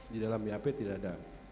di dalam bap tidak ada